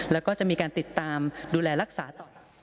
แล้วก็จะมีการติดตามดูแลรักษาต่อ